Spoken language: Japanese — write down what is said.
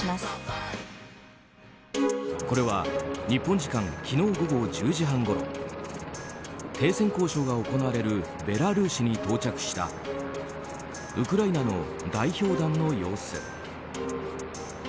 日本時間昨日午後１０時半ごろ停戦交渉が行われるベラルーシに到着したウクライナの代表団の様子。